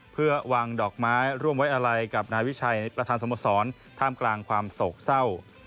เพื่อวางดอกไม้ร่วมไว้อะไรกับนายวิชัยประธานสมสรท่ามกลางความโศกเศร้า